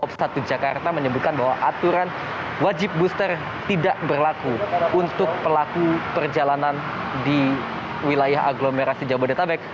ops satu jakarta menyebutkan bahwa aturan wajib booster tidak berlaku untuk pelaku perjalanan di wilayah agglomerasi jabodetabek